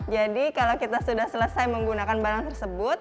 jadi kalau kita sudah selesai menggunakan barang tersebut